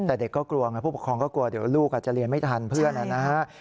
แต่เด็กก็กลัวไงผู้ปกครองก็กลัวเดี๋ยวลูกอาจจะเรียนไม่ทันเพื่อนนะฮะ